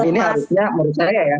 dan ini harusnya menurut saya ya